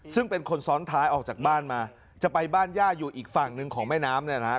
ซึ่งเป็นคนซ้อนท้ายออกจากบ้านมาจะไปบ้านย่าอยู่อีกฝั่งหนึ่งของแม่น้ำเนี่ยนะครับ